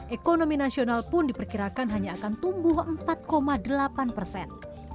ekonomi nasional pun diperkirakan hanya akan tumbuh empat delapan persen